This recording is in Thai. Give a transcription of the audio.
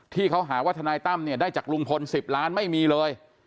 ที่เขาหาว่าทนายตั้มเนี่ยได้จากลุงพล๑๐ล้านไม่มีเลย